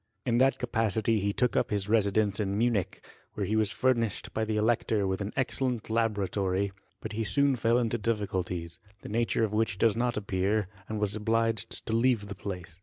In that capacity he took up his residence in Munich, where he was fur nished by the elector with an excellent laboratory : but he soon fell into difficulties, the nature of which does not appear, and was obliged to leave the place.